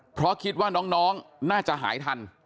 เพราะคิดว่าน้องน่าจะหายทัน